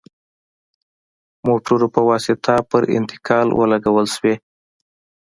موټرو په واسطه پر انتقال ولګول شوې.